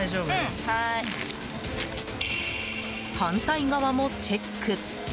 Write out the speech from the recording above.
反対側もチェック。